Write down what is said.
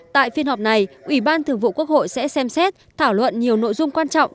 tại phiên họp này ủy ban thường vụ quốc hội sẽ xem xét thảo luận nhiều nội dung quan trọng